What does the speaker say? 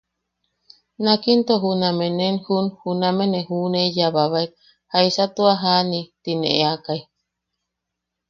Nak into juname ne jun... name ne juʼuneiyababaek ¿jaisa tua jani? ti ne eʼeakai.